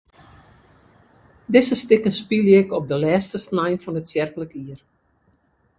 Dizze stikken spylje ik op de lêste snein fan it tsjerklik jier.